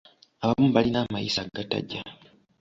Abamu balina amayisa agatajja.